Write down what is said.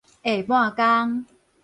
下半工